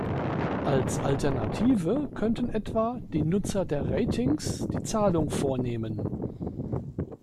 Als Alternative könnten etwa die Nutzer der Ratings die Zahlung vornehmen.